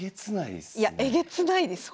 えげつないですね。